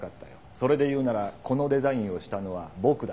それで言うならこの「デザイン」をしたのは僕だ。